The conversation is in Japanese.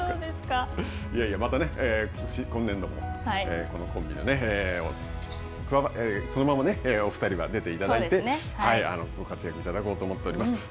また今年度もこのコンビでそのままお二人は出ていただいてご活躍いただこうと思っております。